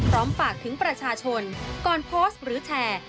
พร้อมฝากถึงประชาชนก่อนโพสต์หรือแชร์